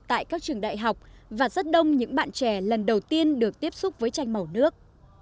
tại các trường đại học và rất đông những bạn trẻ lần đầu tiên được tiếp xúc với tranh màu nước